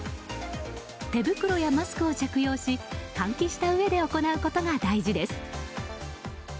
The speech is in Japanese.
手袋やマスクを着用し換気したうえで行うことが大事です。